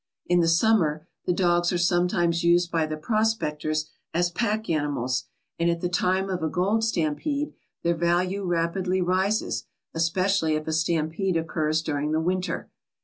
In the summer the dogs are sometimes used by the pros pectors as pack animals, and at the time of a gold stampede their value rapidly rises, especially if a stampede occurs during the winter.